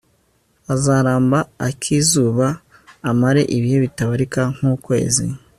azaramba ak'izuba, amare ibihe bitabarika nk'ukwezi